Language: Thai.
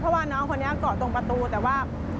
เพราะว่าน้องคนนี้เกาะตรงประตูแต่ว่า